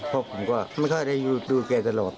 เพราะผมก็ไม่ค่อยได้ดูแกตลอด